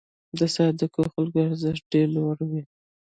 د صادقو خلکو ارزښت ډېر لوړ وي.